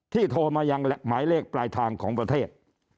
โทรมายังหมายเลขปลายทางของประเทศ